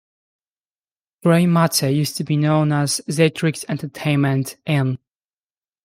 Gray Matter used to be known as Xatrix Entertainment, In.